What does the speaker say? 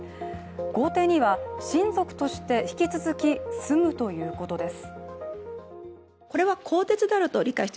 公邸には親族として引き続き住むということです。